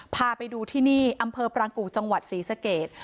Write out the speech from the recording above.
พาไปดูที่นี่อำเภอปรางกู่จังหวัดศรีสเกต